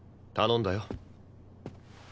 頼んだよ。